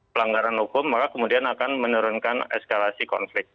pelanggaran hukum maka kemudian akan menurunkan eskalasi konflik